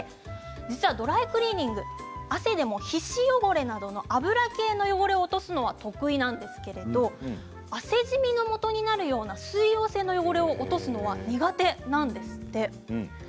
実はドライクリーニングは汗でも皮脂汚れなどの油系の汚れを落とすのが得意なんですけれども汗じみのもとになるような水溶性の汚れを落とすのは苦手なんですって。